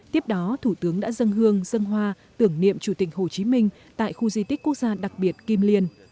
tiếp đó thủ tướng đã dân hương dân hoa tưởng niệm chủ tịch hồ chí minh tại khu di tích quốc gia đặc biệt kim liên